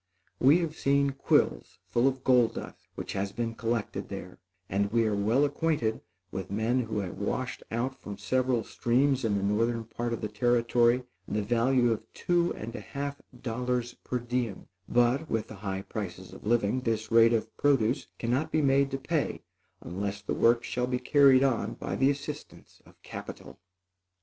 We have seen quills full of gold dust which has been collected there, and we are well acquainted with men who have washed out from several streams in the northern part of the Territory, the value of two and a half dollars per diem; but, with the high prices of living, this rate of produce cannot be made to pay unless the work shall be carried on by the assistance of capital.